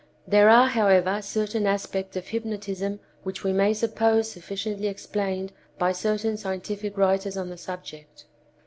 There are, however, certain aspects of hypnotism which we may suppose sufficiently explained by certain scientific writers on the subject.